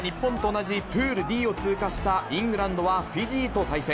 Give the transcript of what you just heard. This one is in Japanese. また、日本と同じプールＤを通過したイングランドはフィジーと対戦。